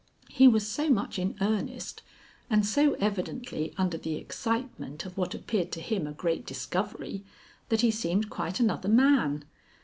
He was so much in earnest and so evidently under the excitement of what appeared to him a great discovery, that he seemed quite another man.